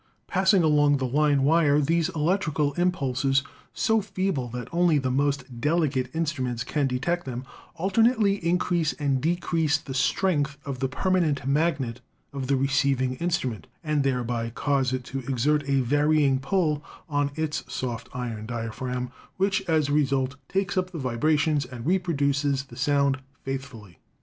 Passing along the line wire, these electrical impulses, so feeble that only the most delicate instruments can detect them, alternately increase and decrease the strength of the permanent mag THE TELEPHONE 263 net of the receiving instrument, and thereby cause it to exert a varying pull on its soft iron diaphragm, which, as a result, takes up the vibrations and reproduces the sound faithfully."